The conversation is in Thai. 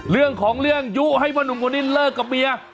เรื่องของเรื่องยุให้ว่านุ่มคนนี้เลิกกับเมีย